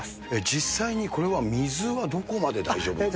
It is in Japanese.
実際にこれは水はどこまで大丈夫なんですか。